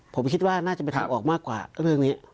ผมคิดว่าน่าจะเป็นทางออกมากว่าเรื่องนี้